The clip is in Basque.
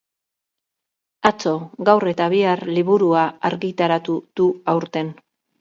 Atzo, gaur eta bihar liburua argitaratu du aurten.